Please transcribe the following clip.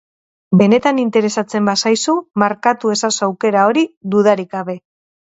Benetan interesatzen bazaizu, markatu ezazu aukera hori, dudarik gabe.